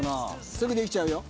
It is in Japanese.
すぐできちゃうよ。